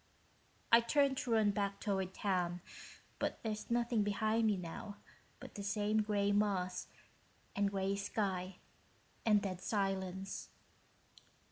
I turn to run back toward town, but there's nothing behind me now but the same gray moss and gray sky and dead silence."